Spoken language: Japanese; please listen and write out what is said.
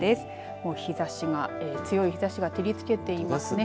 もう日ざしが、強い日ざしが照りつけていますね。